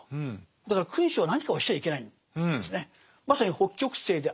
だから君主は何かをしちゃいけないんですね。